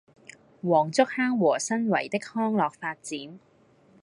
黃竹坑和新圍的康樂發展